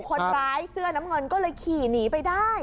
คนร้ายเสื้อน้ำเงินก็เลยขี่หนีไปได้